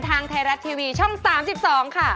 ทางไทยรัฐทีวีช่อง๓๒ค่ะ